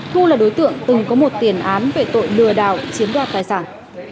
thu là đối tượng từng có một tiền án về tội lừa đảo chiếm đoạt tài sản